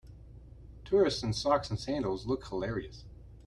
Tourists in socks and sandals look hilarious.